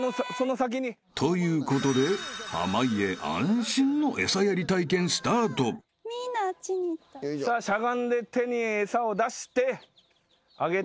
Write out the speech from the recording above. ［ということで濱家安心の餌やり体験スタート］さあしゃがんで手に餌を出してあげてください。